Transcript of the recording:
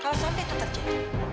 kalau saat itu terjadi